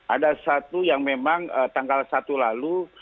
ada satu yang memang tanggal satu lalu